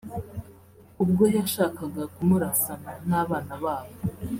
ubwo yashakaga kumurasana n’abana babo